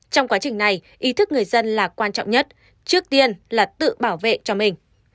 trong quá trình này ý thức người dân là quan trọng nhất trước tiên là tự bảo vệ cho mình